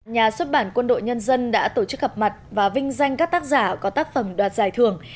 nhà xuất bản quân đội nhân dân đã tổ chức gặp mặt và vinh danh các tác giả có tác phẩm đoạt giải thưởng